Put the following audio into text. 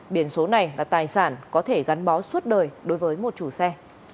biển số này là tài sản có thể gắn bó suốt đời đối với một chủ xe